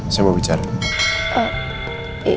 saya mau bicara